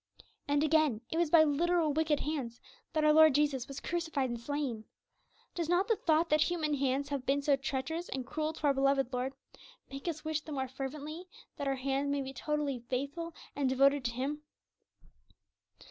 And again, it was by literal 'wicked hands' that our Lord Jesus was crucified and slain. Does not the thought that human hands have been so treacherous and cruel to our beloved Lord make us wish the more fervently that our hands may be totally faithful and devoted to Him?